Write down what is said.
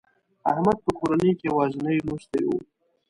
احمد په کورنۍ کې یوازینی لوستي و.